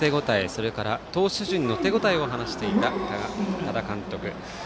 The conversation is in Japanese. それから、投手陣の手応えを話していた、多田監督。